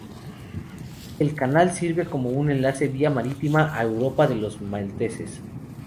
El canal sirve como un enlace vía marítima a Europa de los malteses.